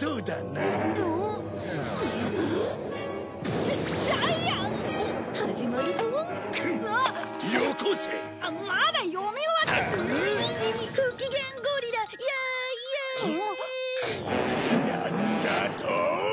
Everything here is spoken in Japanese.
なんだと！？